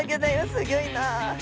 すギョいな。